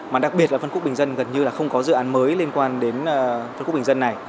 mà đặc biệt là phân khúc bình dân gần như là không có dự án mới liên quan đến phân khúc bình dân này